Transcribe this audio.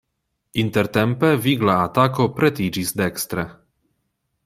Intertempe vigla atako pretiĝis dekstre.